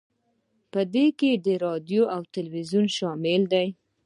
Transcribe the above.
په دې کې راډیو او تلویزیون شامل دي